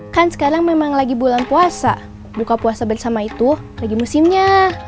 kan sekarang memang lagi bulan puasa buka puasa bersama itu lagi musimnya